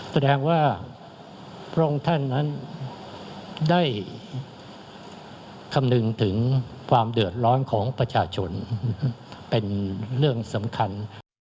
แสดงว่าพระองค์ท่านนั้นได้คำนึงถึงความเดือดร้อนของประชาชนเป็นเรื่องสำคัญ